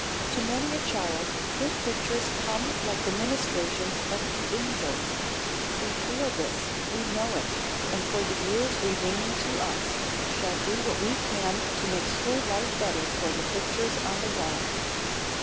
To many a child good pictures come like the ministrations of the angels. We feel this, we know it; and for the years remaining to us shall do what we can to make school life better for the pictures on the wall.